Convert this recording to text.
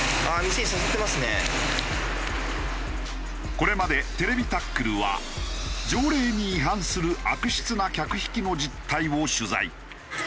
これまで『ＴＶタックル』は条例に違反する悪質な客引きの実態を取材。